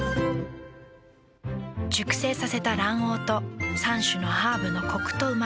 熟成させた卵黄と３種のハーブのコクとうま味。